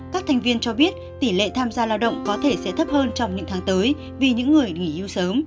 các thành viên cho biết tỷ lệ tham gia lao động có thể sẽ thấp hơn trong những tháng tới vì những người nghỉ hưu sớm